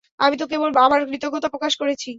আমি তো কেবল আমার কৃতজ্ঞতা প্রকাশ করছি।